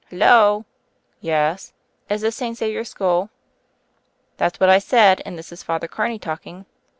"Halloa?" "Yes " "Is this St. Xavier School?" "That's what I said, and this is Father Car ney talking."